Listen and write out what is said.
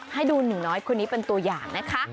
ให้ดูหนูน้อยคนนี้เป็นตัวอย่างนะคะ